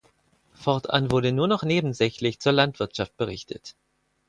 Fortan wurde nur noch nebensächlich zur Landwirtschaft berichtet.